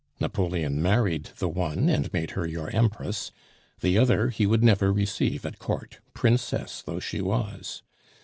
Napoleon married the one, and made her your Empress; the other he would never receive at court, princess though she was.